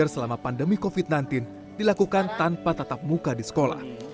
selama pandemi covid sembilan belas dilakukan tanpa tatap muka di sekolah